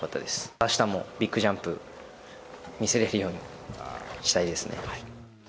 あしたもビッグジャンプ、見せれるようにしたいですね。